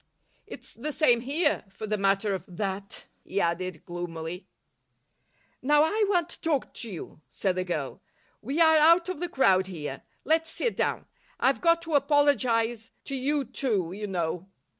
It's the same here, for the matter of that," he added gloomily. "Now I want to talk to you," said the girl. "We are out of the crowd here. Let's sit down. I've got to apologise to you too, you know.